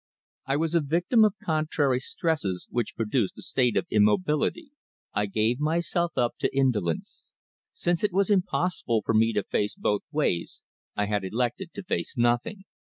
I was a victim of contrary stresses which produced a state of immobility. I gave myself up to indolence. Since it was impossible for me to face both ways I had elected to face nothing.